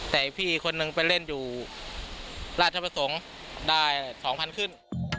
แต่พี่คนนึงไปเล่นอยู่ราชประสงค์ได้๒๐๐ขึ้น